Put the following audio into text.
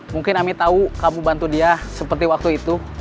mungkin ami tahu kamu bantu dia seperti waktu itu